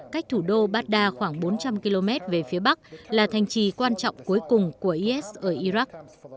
cách thủ đô baghdad khoảng bốn trăm linh km về phía bắc là thành trì quan trọng cuối cùng của is ở iraq